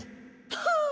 はあ！